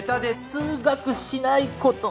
「通学しないこと」